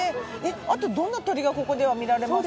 あとどんな鳥がここでは見られますか？